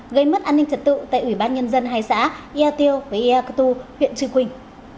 gây mất an ninh trật tự tại ủy ban nhân dân hai xã ea tiêu và ea cơ tu huyện trư quỳnh